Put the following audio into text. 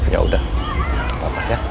ya udah apa ya